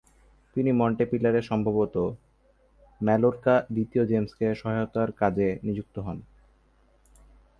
তিনি মন্টেপিলারে সম্ভবত ম্যালোর্কা দ্বিতীয় জেমসকে সহায়তার কাযে নিযুক্ত হন।